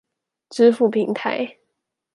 支付平台